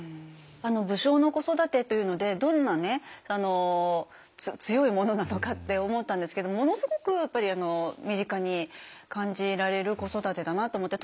武将の子育てというのでどんなね強いものなのかって思ったんですけどものすごくやっぱり身近に感じられる子育てだなって思って。